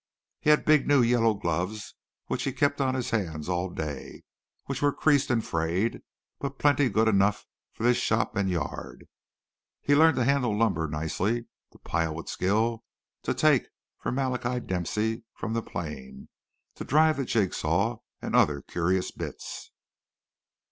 He had big new yellow gloves which he kept on his hands all day, which were creased and frayed, but plenty good enough for this shop and yard. He learned to handle lumber nicely, to pile with skill, to "take" for Malachi Dempsey from the plane, to drive the jig saw, and other curious bits.